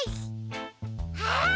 あっ！